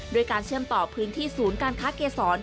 ด้วยการเชื่อมต่อพื้นที่ศูนย์การค้าเกษร